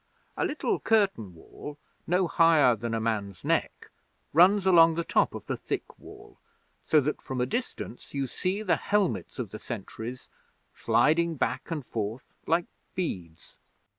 A little curtain wall, no higher than a man's neck, runs along the top of the thick wall, so that from a distance you see the helmets of the sentries sliding back and forth like beads.